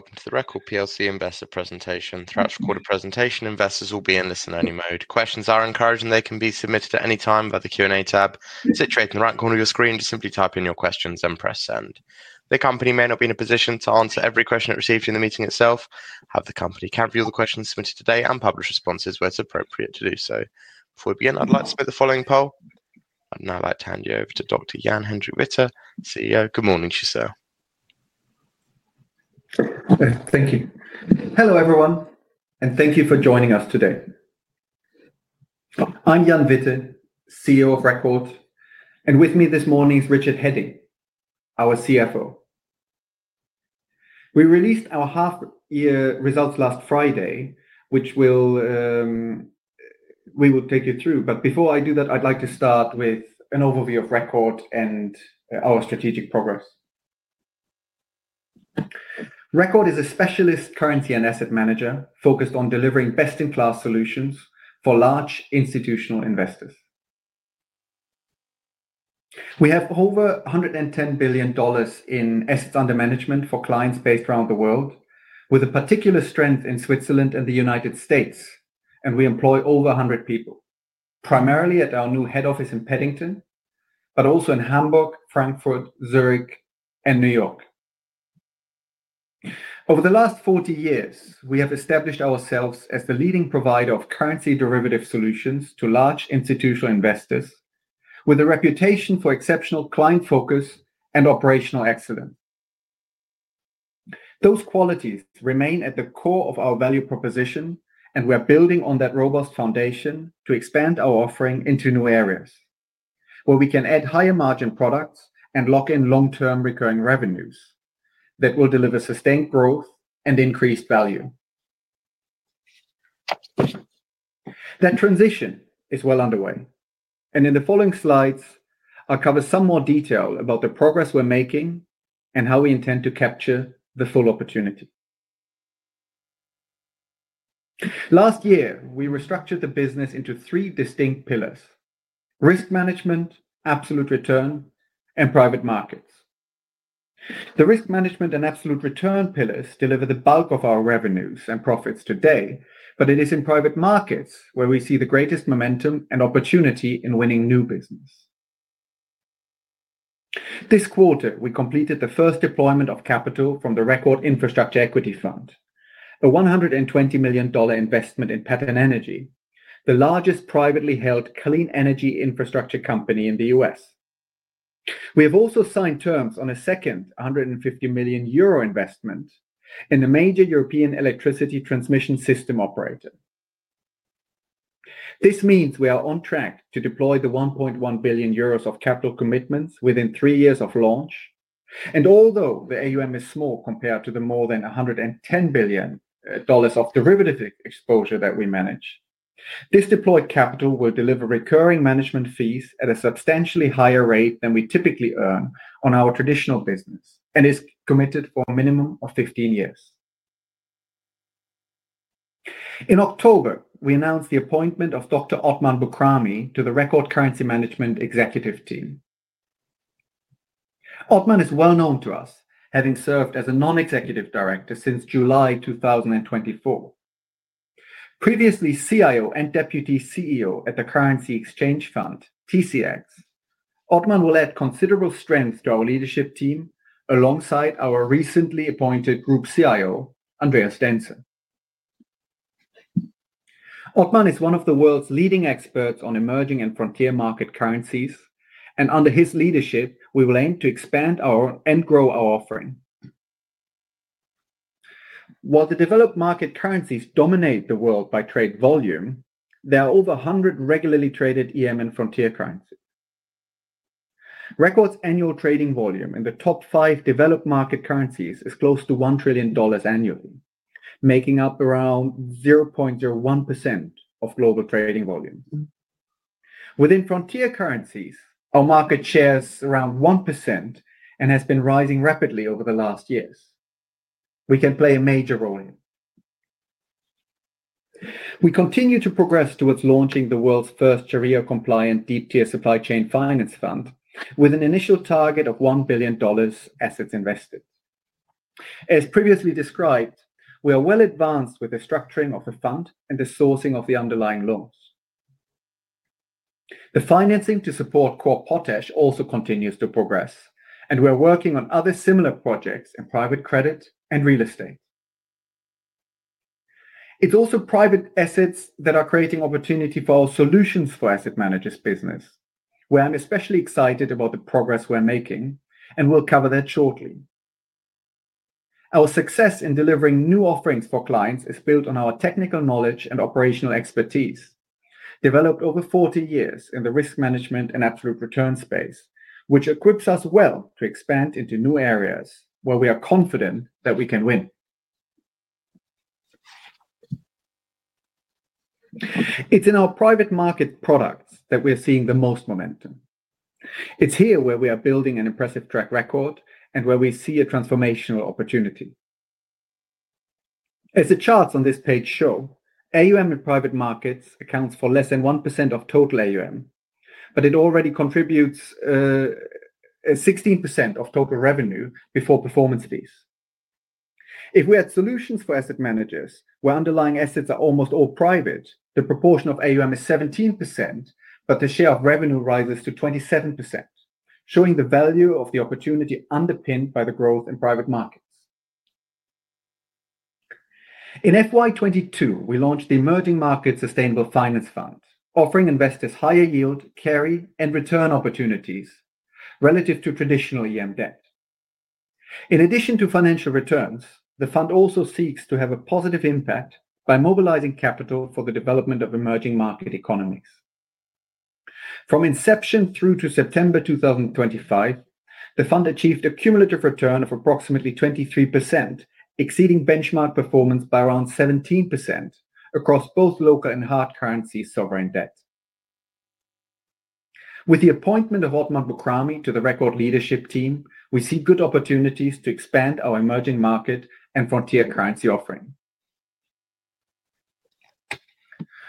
Welcome to the Record plc investor presentation. Throughout the recorded presentation, investors will be in listen-only mode. Questions are encouraged, and they can be submitted at any time via the Q&A tab. Situated in the right corner of your screen, just simply type in your questions and press send. The company may not be in a position to answer every question it receives during the meeting itself. However, the company can view the questions submitted today and publish responses where it is appropriate to do so. Before we begin, I would like to submit the following poll, and I would like to hand you over to Dr. Jan Hendrik Witte, CEO. Good morning, to you Sir. Thank you. Hello, everyone, and thank you for joining us today. I'm Jan Witte, CEO of Record, and with me this morning is Richard Heading, our CFO. We released our half-year results last Friday, which we will take you through. Before I do that, I'd like to start with an overview of Record and our strategic progress. Record is a specialist currency and asset manager focused on delivering best-in-class solutions for large institutional investors. We have over $110 billion in assets under management for clients based around the world, with a particular strength in Switzerland and the United States, and we employ over 100 people, primarily at our new head office in Paddington, but also in Hamburg, Frankfurt, Zurich, and New York. Over the last 40 years, we have established ourselves as the leading provider of currency derivative solutions to large institutional investors, with a reputation for exceptional client focus and operational excellence. Those qualities remain at the core of our value proposition, and we're building on that robust foundation to expand our offering into new areas where we can add higher-margin products and lock in long-term recurring revenues that will deliver sustained growth and increased value. That transition is well underway, and in the following slides, I'll cover some more detail about the progress we're making and how we intend to capture the full opportunity. Last year, we restructured the business into three distinct pillars: Risk Management, Absolute Return, and Private Markets. The Risk Management and Absolute Return pillars deliver the bulk of our revenues and profits today, but it is in Private Markets where we see the greatest momentum and opportunity in winning new business. This quarter, we completed the first deployment of capital from the Record Infrastructure Equity Fund, a $120 million investment in Pattern Energy, the largest privately-held clean energy infrastructure company in the U.S.. We have also signed terms on a second 150 million euro investment in the major European electricity transmission system operator. This means we are on track to deploy the 1.1 billion euros of capital commitments within three years of launch. Although the AUM is small compared to the more than $110 billion of derivative exposure that we manage, this deployed capital will deliver recurring management fees at a substantially higher rate than we typically earn on our traditional business and is committed for a minimum of 15 years. In October, we announced the appointment of Dr. Othman Boukrami to the Record Currency Management Executive Team. Othman is well known to us, having served as a non-executive director since July 2024. Previously CIO and Deputy CEO at The Currency Exchange Fund, TCX, Othman will add considerable strength to our leadership team alongside our recently appointed Group CIO, Andreas Daenzer. Othman is one of the world's leading experts on emerging and frontier market currencies, and under his leadership, we will aim to expand and grow our offering. While the developed market currencies dominate the world by trade volume, there are over 100 regularly traded EM and frontier currencies. Record's annual trading volume in the top five developed market currencies is close to $1 trillion annually, making up around 0.01% of global trading volume. Within frontier currencies, our market share is around 1% and has been rising rapidly over the last years. We can play a major role in. We continue to progress towards launching the world's first Sharia-compliant Deep Tier Supply Chain Finance fund, with an initial target of $1 billion assets invested. As previously described, we are well advanced with the structuring of the fund and the sourcing of the underlying loans. The financing to support Kore Potash also continues to progress, and we are working on other similar projects in private credit and real estate. It's also private assets that are creating opportunity for our Solutions for Asset Managers business. We're especially excited about the progress we're making and will cover that shortly. Our success in delivering new offerings for clients is built on our technical knowledge and operational expertise, developed over 40 years in the Risk Management and Absolute Return space, which equips us well to expand into new areas where we are confident that we can win. It's in our Private Market products that we're seeing the most momentum. It's here where we are building an impressive track record and where we see a transformational opportunity. As the charts on this page show, AUM in Private Markets accounts for less than 1% of total AUM, but it already contributes 16% of total revenue before performance fees. If we add Solutions for Asset Managers, where underlying assets are almost all private, the proportion of AUM is 17%, but the share of revenue rises to 27%, showing the value of the opportunity underpinned by the growth in Private Markets. In FY22, we launched the Emerging Markets Sustainable Finance Fund, offering investors higher yield, carry, and return opportunities relative to traditional EM debt. In addition to financial returns, the fund also seeks to have a positive impact by mobilizing capital for the development of emerging market economies. From inception through to September 2025, the fund achieved a cumulative return of approximately 23%, exceeding benchmark performance by around 17% across both local and hard currency sovereign debt. With the appointment of Othman Boukrami to the Record Leadership Team, we see good opportunities to expand our emerging market and frontier currency offering.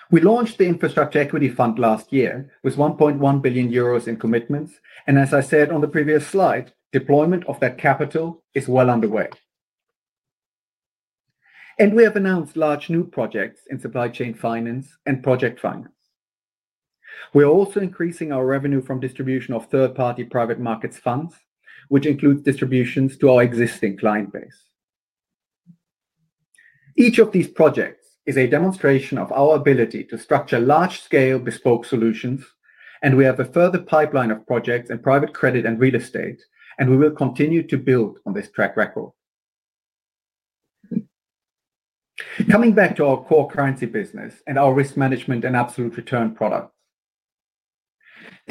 We launched the Infrastructure Equity Fund last year with 1.1 billion euros in commitments, as I said on the previous slide, deployment of that capital is well underway. We have announced large new projects in supply chain finance and project finance. We are also increasing our revenue from distribution of third-party Private Markets funds, which includes distributions to our existing client base. Each of these projects is a demonstration of our ability to structure large-scale bespoke solutions, and we have a further pipeline of projects in private credit and real estate, and we will continue to build on this track record. Coming back to our core currency business and our risk management and absolute return products,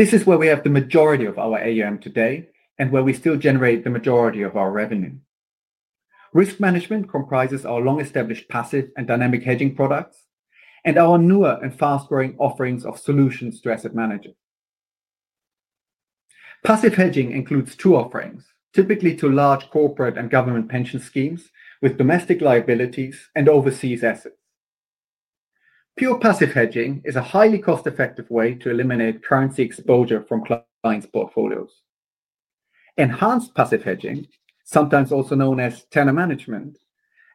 this is where we have the majority of our AUM today and where we still generate the majority of our revenue. Risk Management comprises our long-established Passive and Dynamic Hedging products and our newer and fast-growing offerings of Solutions to Asset Managers. Passive Hedging includes two offerings, typically to large corporate and government pension schemes with domestic liabilities and overseas assets. Pure Passive Hedging is a highly cost-effective way to eliminate currency exposure from clients' portfolios. Enhanced Passive Hedging, sometimes also known as tenor management,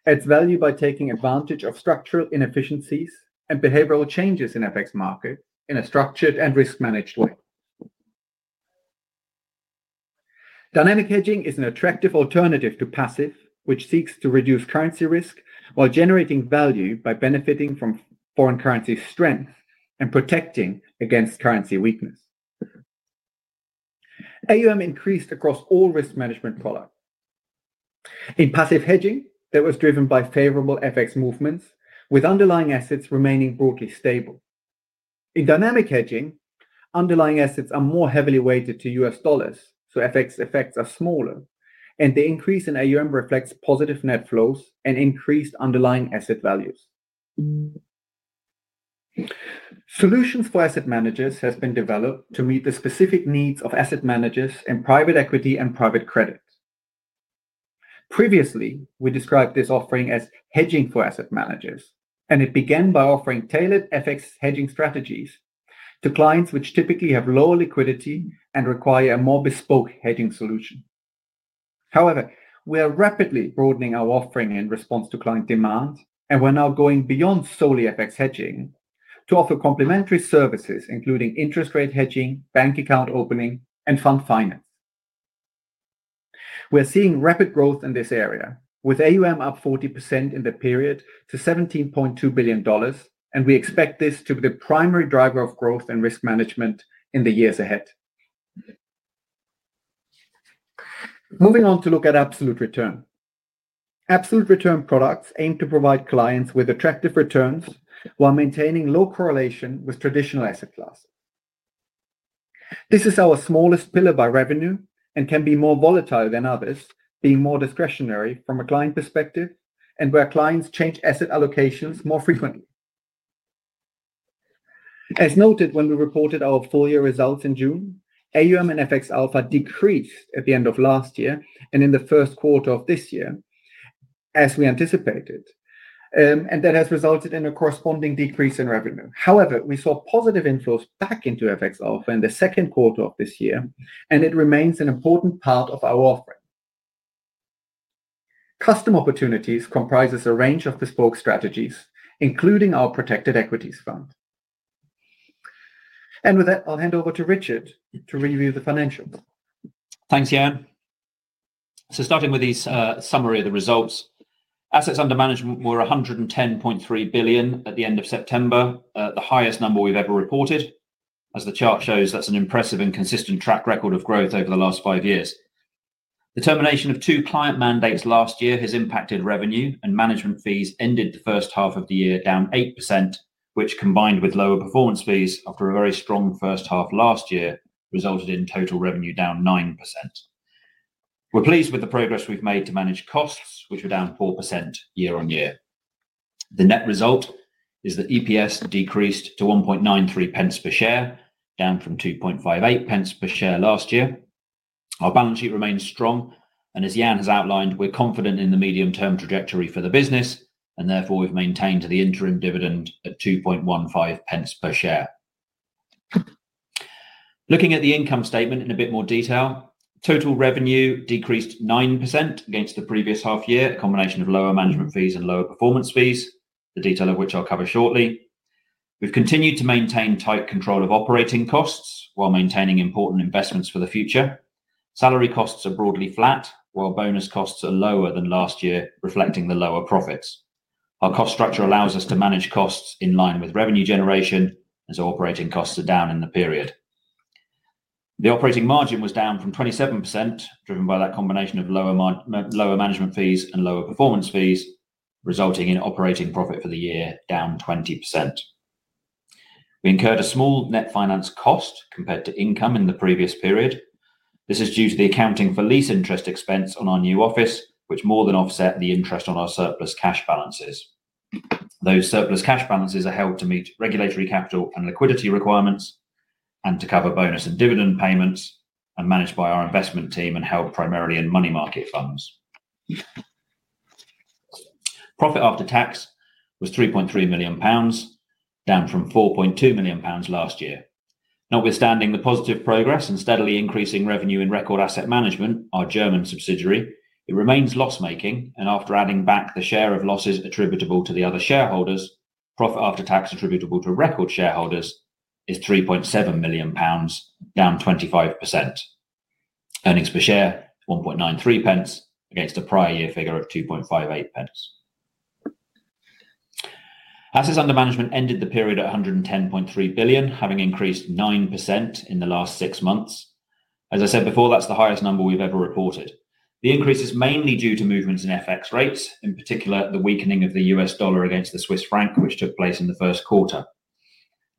adds value by taking advantage of structural inefficiencies and behavioral changes in FX markets in a structured and risk-managed way. Dynamic Hedging is an attractive alternative to passive, which seeks to reduce currency risk while generating value by benefiting from foreign currency strength and protecting against currency weakness. AUM increased across all Risk Management products. In Passive Hedging, that was driven by favorable FX movements, with underlying assets remaining broadly stable. In Dynamic Hedging, underlying assets are more heavily weighted to U.S. dollars, so FX effects are smaller, and the increase in AUM reflects positive net flows and increased underlying asset values. Solutions for Asset Managers have been developed to meet the specific needs of asset managers in private equity and private credit. Previously, we described this offering as hedging for asset managers, and it began by offering tailored FX hedging strategies to clients which typically have low liquidity and require a more bespoke hedging solution. However, we are rapidly broadening our offering in response to client demand, and we're now going beyond solely FX hedging to offer complementary services, including interest rate hedging, bank account opening, and fund finance. We're seeing rapid growth in this area, with AUM up 40% in the period to $17.2 billion, and we expect this to be the primary driver of growth and Risk Management in the years ahead. Moving on to look at absolute return. Absolute Return products aim to provide clients with attractive returns while maintaining low correlation with traditional asset classes. This is our smallest pillar by revenue and can be more volatile than others, being more discretionary from a client perspective and where clients change asset allocations more frequently. As noted, when we reported our full year results in June, AUM and FX Alpha decreased at the end of last year and in the first quarter of this year, as we anticipated, and that has resulted in a corresponding decrease in revenue. However, we saw positive inflows back into FX Alpha in the second quarter of this year, and it remains an important part of our offering. Custom opportunities comprises a range of bespoke strategies, including our Protected Equities Fund. With that, I'll hand over to Richard to review the financials. Thanks, Jan. Starting with this summary of the results, assets under management were $110.3 billion at the end of September, the highest number we've ever reported. As the chart shows, that's an impressive and consistent track record of growth over the last five years. The termination of two client mandates last year has impacted revenue, and management fees ended the first half of the year down 8%, which, combined with lower performance fees after a very strong first half last year, resulted in total revenue down 9%. We're pleased with the progress we've made to manage costs, which are down 4% year-on-year. The net result is that EPS decreased to 0.0193 per share, down from 0.0258 per share last year. Our balance sheet remains strong, and as Jan has outlined, we're confident in the medium-term trajectory for the business, and therefore we've maintained the interim dividend at 0.0215 per share. Looking at the income statement in a bit more detail, total revenue decreased 9% against the previous half year, a combination of lower management fees and lower performance fees, the detail of which I'll cover shortly. We've continued to maintain tight control of operating costs while maintaining important investments for the future. Salary costs are broadly flat, while bonus costs are lower than last year, reflecting the lower profits. Our cost structure allows us to manage costs in line with revenue generation as operating costs are down in the period. The operating margin was down from 27%, driven by that combination of lower management fees and lower performance fees, resulting in operating profit for the year down 20%. We incurred a small net finance cost compared to income in the previous period. This is due to the accounting for lease interest expense on our new office, which more than offset the interest on our surplus cash balances. Those surplus cash balances are held to meet regulatory capital and liquidity requirements and to cover bonus and dividend payments and managed by our investment team and held primarily in money market funds. Profit after tax was 3.3 million pounds, down from 4.2 million pounds last year. Notwithstanding the positive progress and steadily increasing revenue in Record Asset Management, our German subsidiary, it remains loss-making, and after adding back the share of losses attributable to the other shareholders, profit after tax attributable to Record shareholders is 3.7 million pounds, down 25%. Earnings per share, 0.0193 against a prior year figure of 0.0258. Assets under management ended the period at $110.3 billion, having increased 9% in the last six months. As I said before, that's the highest number we've ever reported. The increase is mainly due to movements in FX rates, in particular the weakening of the U.S. dollar against the Swiss franc, which took place in the first quarter.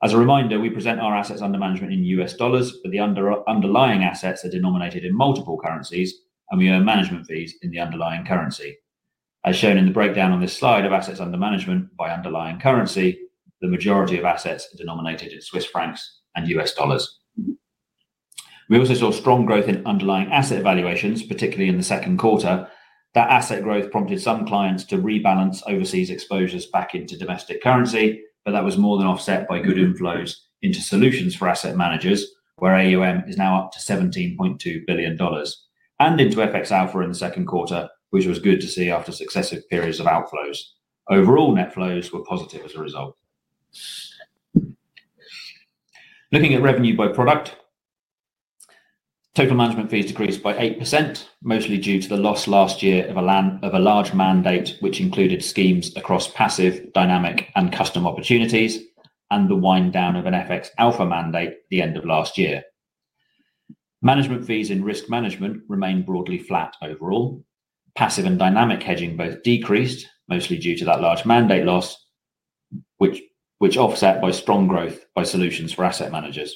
As a reminder, we present our assets under management in U.S. dollars, but the underlying assets are denominated in multiple currencies, and we earn management fees in the underlying currency. As shown in the breakdown on this slide of assets under management by underlying currency, the majority of assets are denominated in Swiss francs and U.S. dollars. We also saw strong growth in underlying asset valuations, particularly in the second quarter. That asset growth prompted some clients to rebalance overseas exposures back into domestic currency, but that was more than offset by good inflows into Solutions for Asset Managers, where AUM is now up to $17.2 billion and into FX Alpha in the second quarter, which was good to see after successive periods of outflows. Overall, net flows were positive as a result. Looking at revenue by product, total management fees decreased by 8%, mostly due to the loss last year of a large mandate, which included schemes across passive, dynamic, and custom opportunities, and the wind down of an FX Alpha mandate at the end of last year. Management fees in Risk Management remained broadly flat overall. Passive and Dynamic Hedging both decreased, mostly due to that large mandate loss, which was offset by strong growth by Solutions for Asset Managers.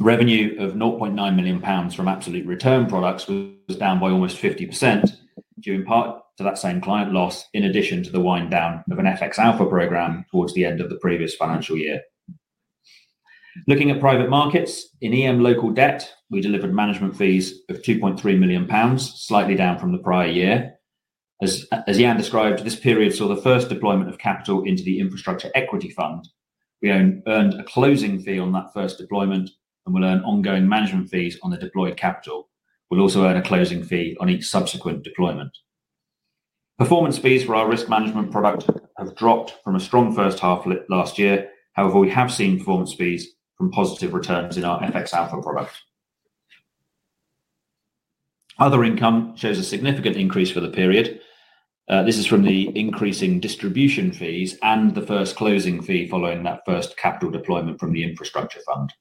Revenue of 0.9 million pounds from absolute return products was down by almost 50%, due in part to that same client loss in addition to the wind down of an FX Alpha program towards the end of the previous financial year. Looking at Private Markets, in EM Local Debt, we delivered management fees of 2.3 million pounds, slightly down from the prior year. As Jan described, this period saw the first deployment of capital into the Infrastructure Equity Fund. We earned a closing fee on that first deployment and will earn ongoing management fees on the deployed capital. We'll also earn a closing fee on each subsequent deployment. Performance fees for our Risk Management product have dropped from a strong first half last year. However, we have seen performance fees from positive returns in our FX Alpha product. Other income shows a significant increase for the period. This is from the increasing distribution fees and the first closing fee following that first capital deployment from the Infrastructure Fund.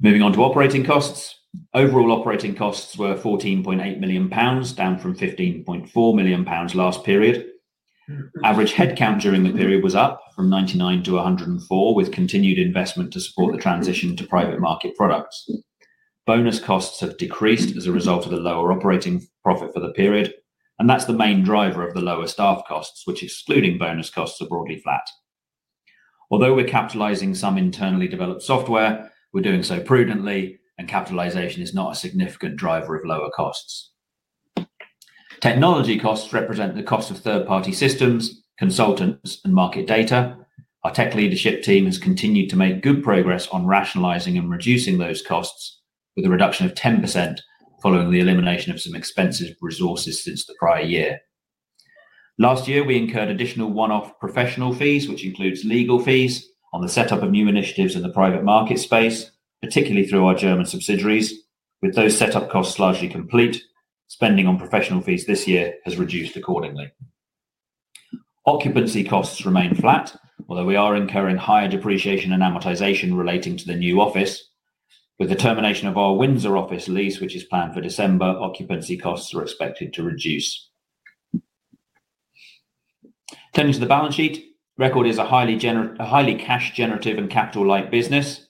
Moving on to operating costs, overall operating costs were 14.8 million pounds, down from 15.4 million pounds last period. Average headcount during the period was up from 99 to 104, with continued investment to support the transition to Private Market products. Bonus costs have decreased as a result of the lower operating profit for the period, and that's the main driver of the lower staff costs, which, excluding bonus costs, are broadly flat. Although we're capitalizing some internally developed software, we're doing so prudently, and capitalization is not a significant driver of lower costs. Technology costs represent the cost of third-party systems, consultants, and market data. Our tech leadership team has continued to make good progress on rationalizing and reducing those costs, with a reduction of 10% following the elimination of some expensive resources since the prior year. Last year, we incurred additional one-off professional fees, which includes legal fees on the setup of new initiatives in the Private Market space, particularly through our German subsidiaries. With those setup costs largely complete, spending on professional fees this year has reduced accordingly. Occupancy costs remain flat, although we are incurring higher depreciation and amortization relating to the new office. With the termination of our Windsor office lease, which is planned for December, occupancy costs are expected to reduce. Turning to the balance sheet, Record is a highly cash-generative and capital-light business.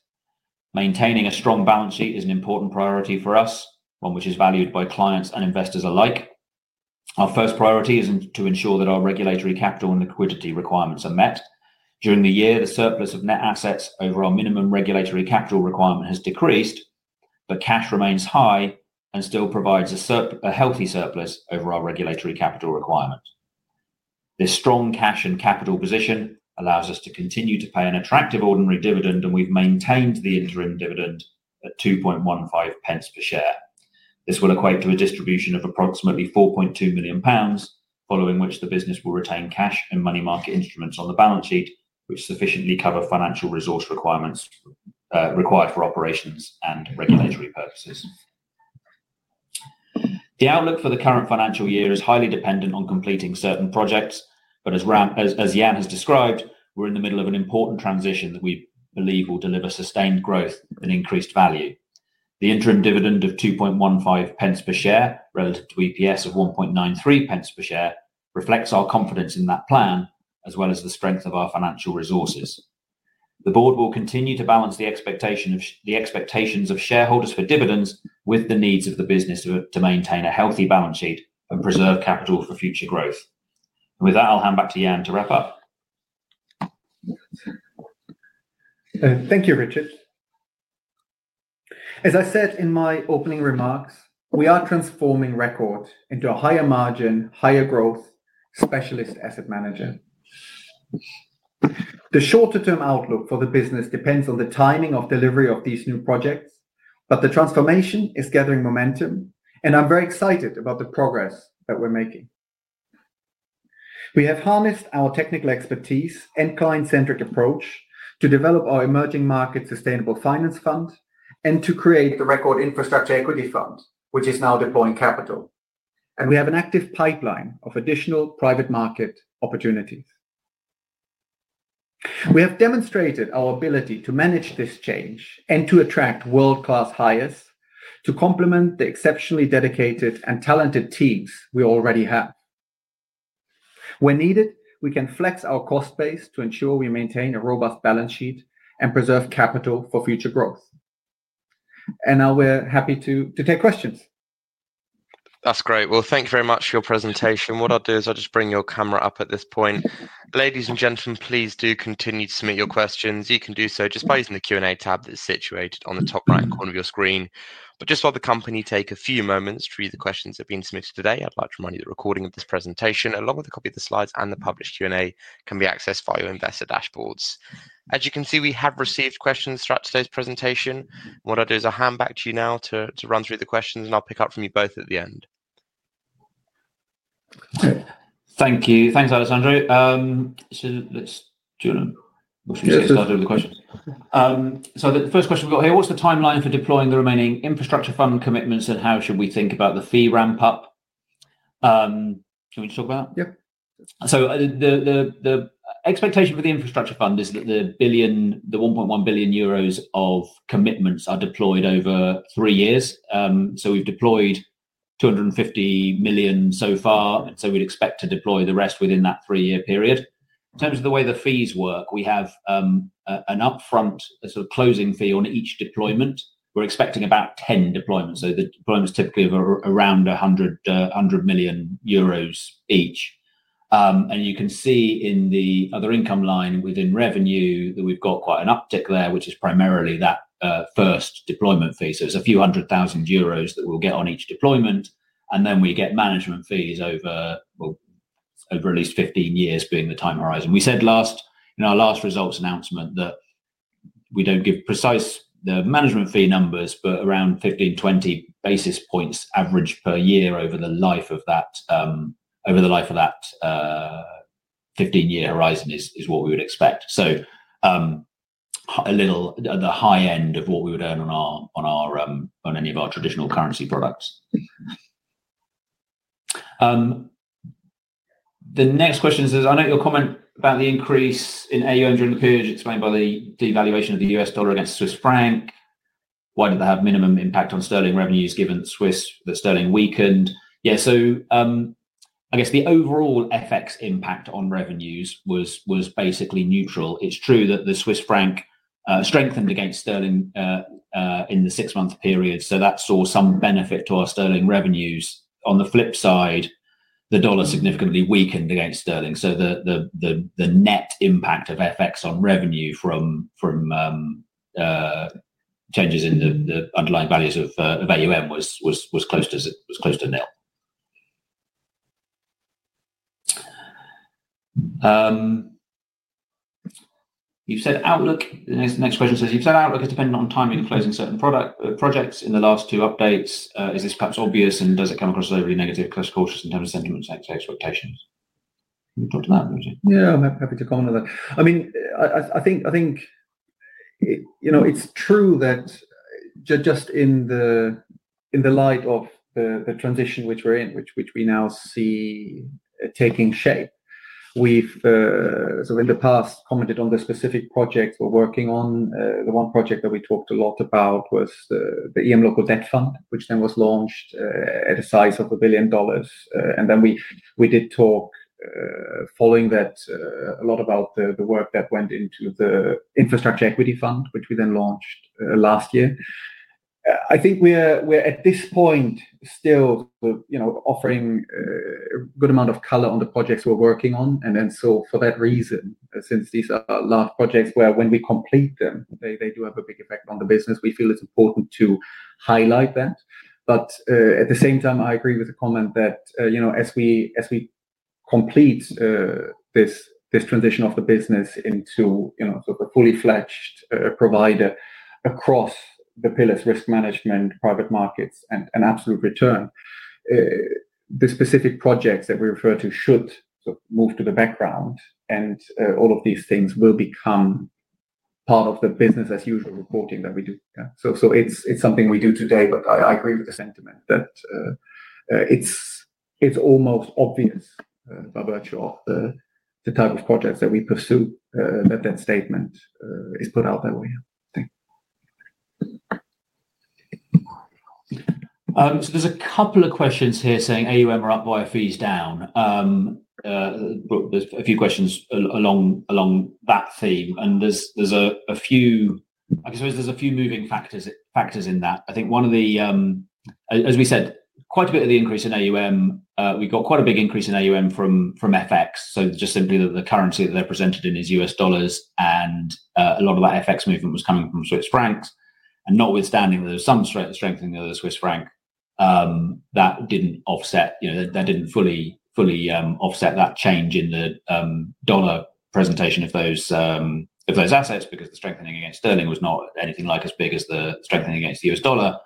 Maintaining a strong balance sheet is an important priority for us, one which is valued by clients and investors alike. Our first priority is to ensure that our regulatory capital and liquidity requirements are met. During the year, the surplus of net assets over our minimum regulatory capital requirement has decreased, but cash remains high and still provides a healthy surplus over our regulatory capital requirement. This strong cash and capital position allows us to continue to pay an attractive ordinary dividend, and we've maintained the interim dividend at 0.0215 per share. This will equate to a distribution of approximately 4.2 million pounds, following which the business will retain cash and money market instruments on the balance sheet, which sufficiently cover financial resource requirements required for operations and regulatory purposes. The outlook for the current financial year is highly dependent on completing certain projects, but as Jan has described, we're in the middle of an important transition that we believe will deliver sustained growth and increased value. The interim dividend of 0.0215 per share relative to EPS of 0.0193 per share reflects our confidence in that plan, as well as the strength of our financial resources. The board will continue to balance the expectations of shareholders for dividends with the needs of the business to maintain a healthy balance sheet and preserve capital for future growth. With that, I'll hand back to Jan to wrap up. Thank you, Richard. As I said in my opening remarks, we are transforming Record into a higher margin, higher growth specialist asset manager. The shorter-term outlook for the business depends on the timing of delivery of these new projects, but the transformation is gathering momentum, and I'm very excited about the progress that we're making. We have harnessed our technical expertise, end-client-centric approach to develop our Emerging Markets Sustainable Finance Fund and to create the Record Infrastructure Equity Fund, which is now deploying capital. We have an active pipeline of additional Private Market opportunities. We have demonstrated our ability to manage this change and to attract world-class hires to complement the exceptionally dedicated and talented teams we already have. When needed, we can flex our cost base to ensure we maintain a robust balance sheet and preserve capital for future growth. We are happy to take questions. That is great. Thank you very much for your presentation. What I will do is just bring your camera up at this point. Ladies and gentlemen, please do continue to submit your questions. You can do so just by using the Q&A tab that is situated on the top right corner of your screen. While the company takes a few moments to read the questions that have been submitted today, I'd like to remind you that the recording of this presentation, along with a copy of the slides and the published Q&A, can be accessed via your investor dashboards. As you can see, we have received questions throughout today's presentation. What I'll do is I'll hand back to you now to run through the questions, and I'll pick up from you both at the end. Thank you. Thanks, Alexandro. Let's do it. I'll do the questions. The first question we've got here, what's the timeline for deploying the remaining Infrastructure Fund commitments, and how should we think about the fee ramp-up? Can we just talk about that? Yep. The expectation for the Infrastructure Fund is that the 1.1 billion euros of commitments are deployed over three years. We've deployed 250 million so far, and we'd expect to deploy the rest within that three-year period. In terms of the way the fees work, we have an upfront sort of closing fee on each deployment. We're expecting about 10 deployments. The deployments typically are around 100 million euros each. You can see in the other income line within revenue that we've got quite an uptick there, which is primarily that first deployment fee. It's a few hundred thousand EUR that we'll get on each deployment, and then we get management fees over at least 15 years being the time horizon. We said in our last results announcement that we don't give precise management fee numbers, but around 15-20 basis points average per year over the life of that 15-year horizon is what we would expect. A little at the high end of what we would earn on any of our traditional currency products. The next question says, "I know your comment about the increase in AUM during the period explained by the devaluation of the USD against the CHF. Why did that have minimum impact on GBP revenues given that GBP weakened?" Yeah. I guess the overall FX impact on revenues was basically neutral. It's true that the Swiss franc strengthened against Sterling in the six-month period, so that saw some benefit to our Sterling revenues. On the flip side, the dollar significantly weakened against Sterling. The net impact of FX on revenue from changes in the underlying values of AUM was close to nil. You've said outlook. The next question says, "You've said outlook is dependent on timing of closing certain projects in the last two updates. Is this perhaps obvious, and does it come across as overly negative or cautious in terms of sentiments and expectations?" Can we talk to that? Yeah. I'm happy to comment on that. I mean, I think it's true that just in the light of the transition which we're in, which we now see taking shape, we've sort of in the past commented on the specific projects we're working on. The one project that we talked a lot about was the EM Local Debt fund, which then was launched at a size of $1 billion. Then we did talk following that a lot about the work that went into the Infrastructure Equity Fund, which we then launched last year. I think we're at this point still offering a good amount of color on the projects we're working on. For that reason, since these are large projects where when we complete them, they do have a big effect on the business, we feel it's important to highlight that. At the same time, I agree with the comment that as we complete this transition of the business into sort of a fully-fledged provider across the pillars, Risk Management, Private Markets, and Absolute Return, the specific projects that we refer to should sort of move to the background, and all of these things will become part of the business-as-usual reporting that we do. It is something we do today, but I agree with the sentiment that it is almost obvious by virtue of the type of projects that we pursue that that statement is put out that way. There are a couple of questions here saying AUM are up, why are fees down? There are a few questions along that theme. I guess there are a few moving factors in that. I think one of the, as we said, quite a bit of the increase in AUM, we got quite a big increase in AUM from FX. Just simply the currency that they're presented in is U.S. dollars, and a lot of that FX movement was coming from Swiss francs. Notwithstanding, there was some strengthening of the Swiss franc that did not fully offset that change in the dollar presentation of those assets because the strengthening against Sterling was not anything like as big as the strengthening against the U.S. dollar.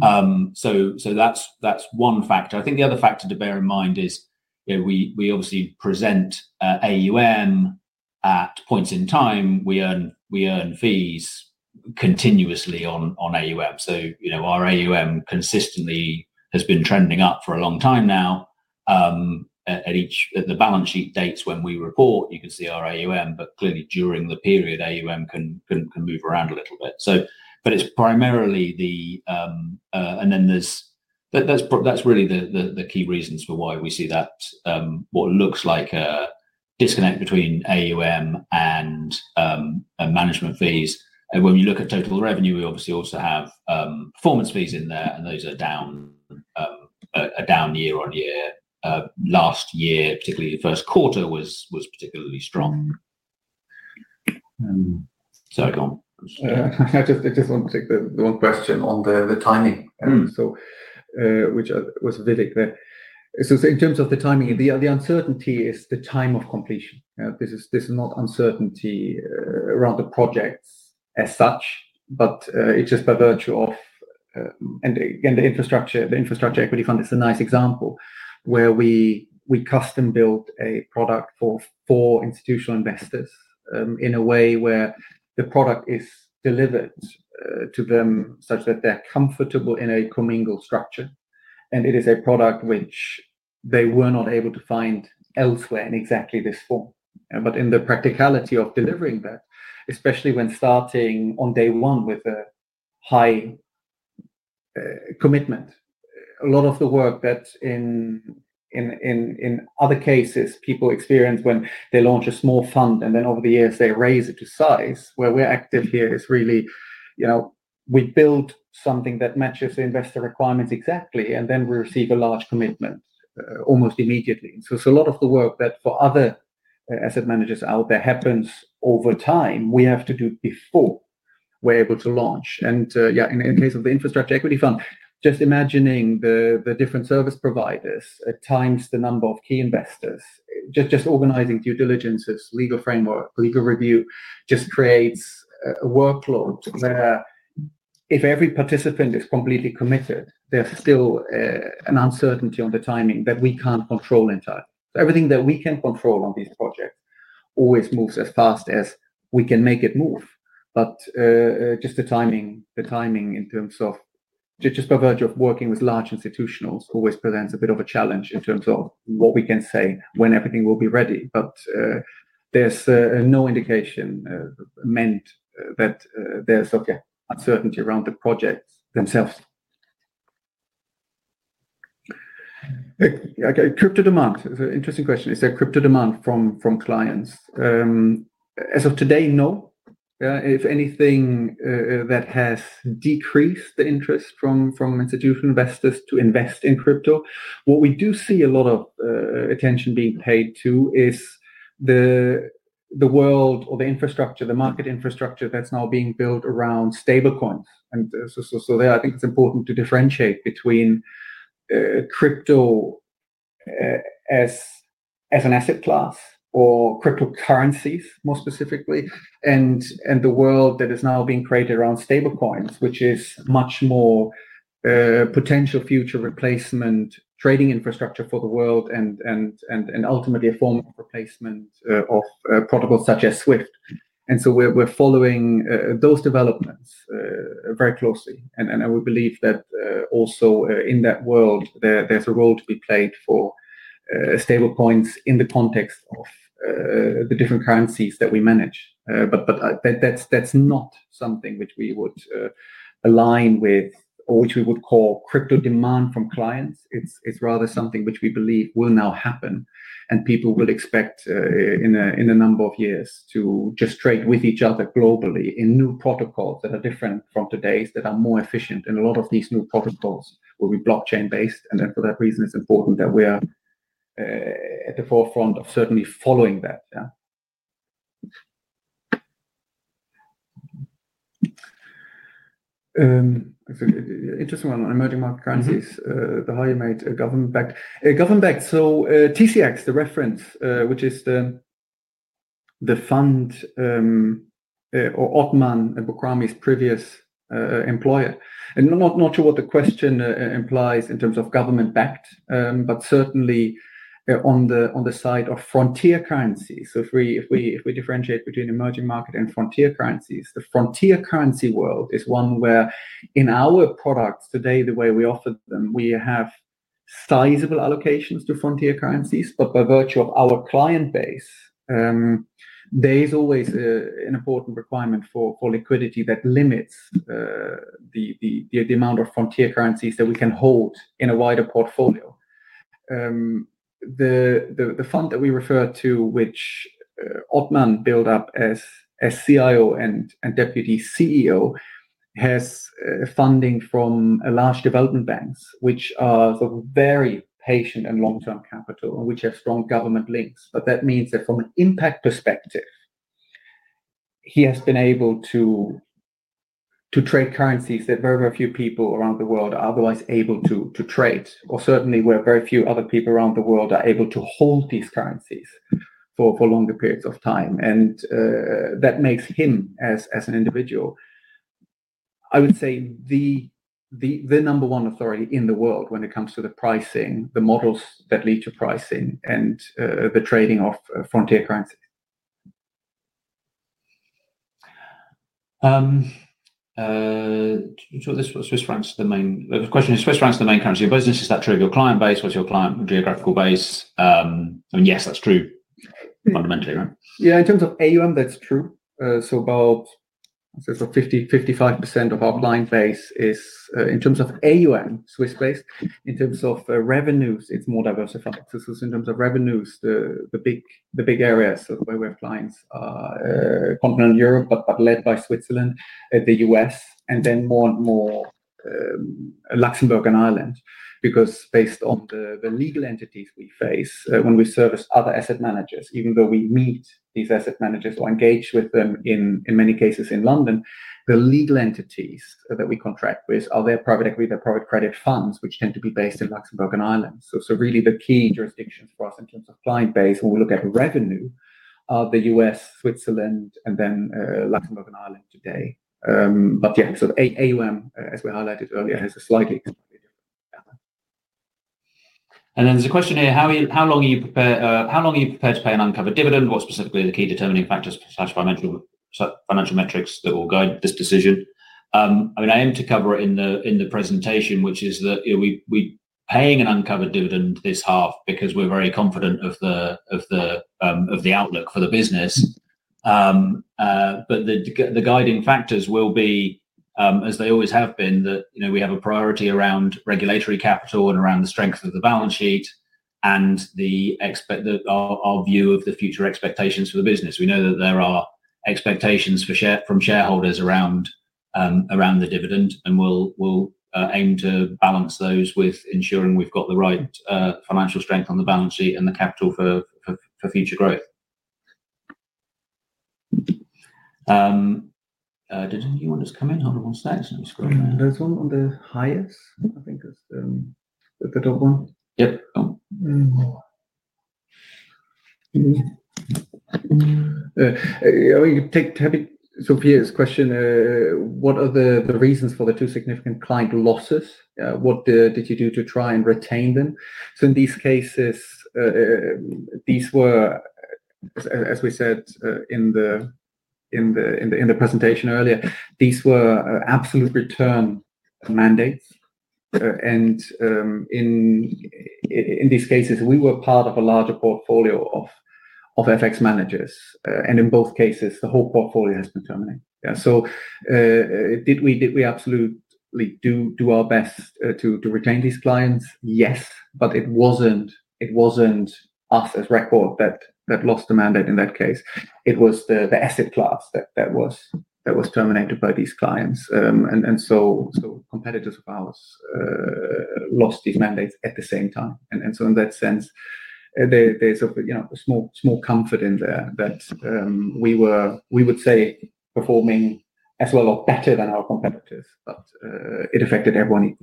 That is one factor. I think the other factor to bear in mind is we obviously present AUM at points in time. We earn fees continuously on AUM. Our AUM consistently has been trending up for a long time now. At the balance sheet dates when we report, you can see our AUM, but clearly during the period, AUM can move around a little bit. It's primarily the, and then that's really the key reasons for why we see that, what looks like a disconnect between AUM and management fees. When you look at total revenue, we obviously also have performance fees in there, and those are down year on year. Last year, particularly the first quarter was particularly strong. Sorry, go on. I just want to take the one question on the timing, which was Vidic there. In terms of the timing, the uncertainty is the time of completion. This is not uncertainty around the projects as such, but it's just by virtue of, and again, the Infrastructure Equity Fund is a nice example where we custom-built a product for institutional investors in a way where the product is delivered to them such that they're comfortable in a commingled structure. It is a product which they were not able to find elsewhere in exactly this form. In the practicality of delivering that, especially when starting on day one with a high commitment, a lot of the work that in other cases people experience when they launch a small fund and then over the years they raise it to size, where we're active here is really we build something that matches investor requirements exactly, and then we receive a large commitment almost immediately. It's a lot of the work that for other asset managers out there happens over time. We have to do before we're able to launch. Yeah, in the case of the Infrastructure Equity Fund, just imagining the different service providers times the number of key investors, just organizing due diligences, legal framework, legal review, just creates a workload where if every participant is completely committed, there's still an uncertainty on the timing that we can't control in time. Everything that we can control on these projects always moves as fast as we can make it move. Just the timing in terms of just by virtue of working with large institutionals always presents a bit of a challenge in terms of what we can say when everything will be ready. There's no indication meant that there's uncertainty around the projects themselves. Okay, crypto demand. It's an interesting question. Is there crypto demand from clients? As of today, no. If anything, that has decreased the interest from institutional investors to invest in crypto. What we do see a lot of attention being paid to is the world or the infrastructure, the market infrastructure that's now being built around stablecoins. I think it's important to differentiate between crypto as an asset class or cryptocurrencies more specifically and the world that is now being created around stablecoins, which is much more potential future replacement trading infrastructure for the world and ultimately a form of replacement of protocols such as SWIFT. We're following those developments very closely. We believe that also in that world, there's a role to be played for stablecoins in the context of the different currencies that we manage. That is not something which we would align with or which we would call crypto demand from clients. It is rather something which we believe will now happen, and people will expect in a number of years to just trade with each other globally in new protocols that are different from today's that are more efficient. A lot of these new protocols will be blockchain-based. For that reason, it is important that we are at the forefront of certainly following that. Interesting one on emerging market currencies, the highly rated government-backed. Government-backed. TCX, the reference, which is the fund or Othman Boukrami's previous employer. Not sure what the question implies in terms of government-backed, but certainly on the side of frontier currencies. If we differentiate between emerging market and frontier currencies, the frontier currency world is one where in our products today, the way we offer them, we have sizable allocations to frontier currencies. By virtue of our client base, there is always an important requirement for liquidity that limits the amount of frontier currencies that we can hold in a wider portfolio. The fund that we refer to, which Othman built up as CIO and Deputy CEO, has funding from large development banks, which are sort of very patient and long-term capital and which have strong government links. That means that from an impact perspective, he has been able to trade currencies that very, very few people around the world are otherwise able to trade, or certainly where very few other people around the world are able to hold these currencies for longer periods of time. That makes him, as an individual, I would say the number one authority in the world when it comes to the pricing, the models that lead to pricing, and the trading of frontier currencies. The question is, Swiss francs is the main currency. Isn't that true of your client base? What's your client geographical base? I mean, yes, that's true fundamentally, right? Yeah. In terms of AUM, that's true. About 50%-55% of our client base is, in terms of AUM, Swiss based. In terms of revenues, it's more diversified. In terms of revenues, the big areas where we have clients are continental Europe, but led by Switzerland, the U.S., and then more and more Luxembourg and Ireland. Because based on the legal entities we face when we service other asset managers, even though we meet these asset managers or engage with them in many cases in London, the legal entities that we contract with are their private equity, their private credit funds, which tend to be based in Luxembourg and Ireland. Really the key jurisdictions for us in terms of client base when we look at revenue are the U.S., Switzerland, and then Luxembourg and Ireland today. Yeah, so AUM, as we highlighted earlier, has a slightly different pattern. There is a question here. How long are you prepared to pay an uncovered dividend? What are specifically the key determining factors/financial metrics that will guide this decision? I mean, I aim to cover it in the presentation, which is that we're paying an uncovered dividend this half because we're very confident of the outlook for the business. The guiding factors will be, as they always have been, that we have a priority around regulatory capital and around the strength of the balance sheet and our view of the future expectations for the business. We know that there are expectations from shareholders around the dividend, and we'll aim to balance those with ensuring we've got the right financial strength on the balance sheet and the capital for future growth. Did anyone just come in? Hold on one sec. Let me scroll down. That one on the highest, I think, is the top one. Yep. Pierre's question, what are the reasons for the two significant client losses? What did you do to try and retain them? In these cases, these were, as we said in the presentation earlier, these were Absolute Return mandates. In these cases, we were part of a larger portfolio of FX managers. In both cases, the whole portfolio has been terminated. Did we absolutely do our best to retain these clients? Yes. It was not us as Record that lost the mandate in that case. It was the asset class that was terminated by these clients. Competitors of ours lost these mandates at the same time. In that sense, there is a small comfort in there that we would say performing a lot better than our competitors, but it affected everyone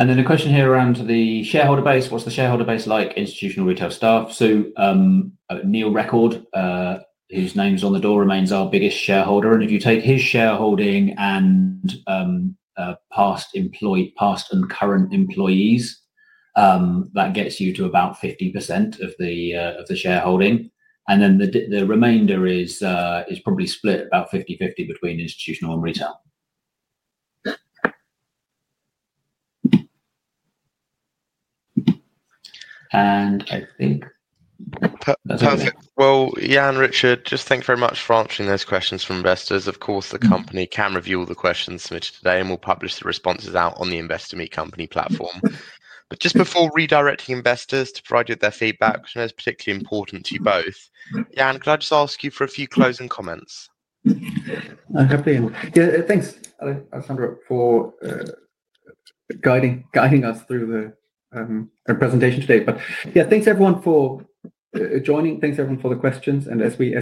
equally. A question here around the shareholder base. What is the shareholder base like? Institutional, retail, staff. Neil Record, whose name is on the door, remains our biggest shareholder. If you take his shareholding and past and current employees, that gets you to about 50% of the shareholding. The remainder is probably split about 50/50 between institutional and retail. I think that's it. Perfect. Jan, Richard, just thank you very much for answering those questions from investors. Of course, the company can review all the questions submitted today, and we will publish the responses out on the Investor Meet Company platform. Just before redirecting investors to provide you with their feedback, which I know is particularly important to you both, Jan, could I just ask you for a few closing comments? I hope they are in. Yeah. Thanks, Alexandro, for guiding us through the presentation today. Yeah, thanks everyone for joining. Thanks everyone for the questions. We are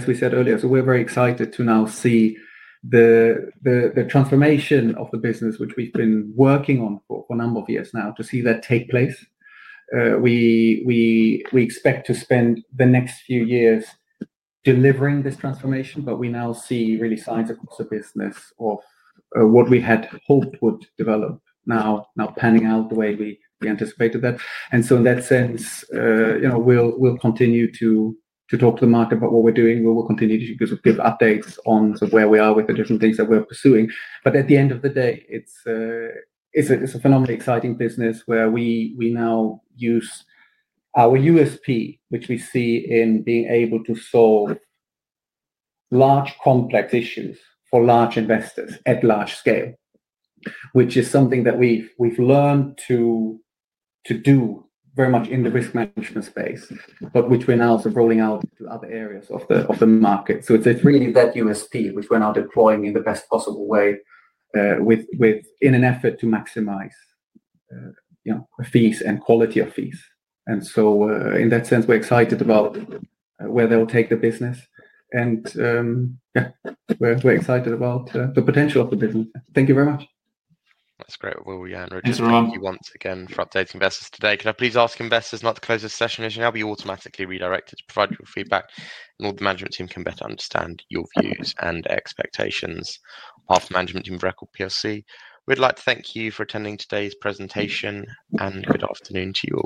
very excited to now see the transformation of the business, which we have been working on for a number of years now, to see that take place. We expect to spend the next few years delivering this transformation, but we now see really signs across the business of what we had hoped would develop, now panning out the way we anticipated that. In that sense, we will continue to talk to the market about what we are doing. We will continue to give updates on where we are with the different things that we are pursuing. At the end of the day, it's a phenomenally exciting business where we now use our USP, which we see in being able to solve large complex issues for large investors at large scale, which is something that we've learned to do very much in the risk management space, but which we're now also rolling out into other areas of the market. It's really that USP, which we're now deploying in the best possible way in an effort to maximize fees and quality of fees. In that sense, we're excited about where they'll take the business. Yeah, we're excited about the potential of the business. Thank you very much. That's great. Jan, thank you once again for updating investors today. Could I please ask investors not to close this session? As you know, we automatically redirect it to provide you with feedback, and all the management team can better understand your views and expectations of the management team of Record plc. We'd like to thank you for attending today's presentation, and good afternoon to you.